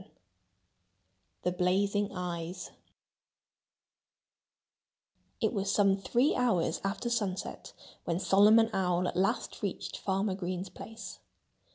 VII The Blazing Eyes It was some three hours after sunset when Solomon Owl at last reached Farmer Green's place.